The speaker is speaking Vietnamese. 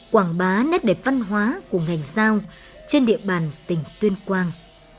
quảng bá nét đẹp văn hóa của ngành giao trên địa bàn tỉnh tuyên quang